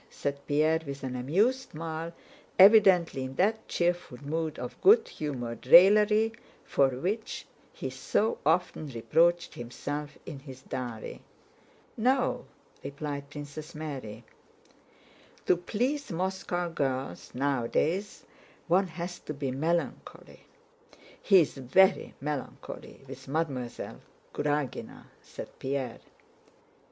said Pierre with an amused smile, evidently in that cheerful mood of good humored raillery for which he so often reproached himself in his diary. "No," replied Princess Mary. "To please Moscow girls nowadays one has to be melancholy. He is very melancholy with Mademoiselle Karágina," said Pierre.